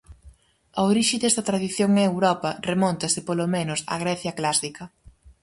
A orixe desta tradición en Europa remóntase, polo menos, á Grecia clásica.